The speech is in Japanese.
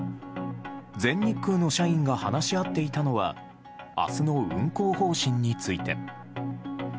全日空の社員が話し合っていたのは、あすの運航方針について。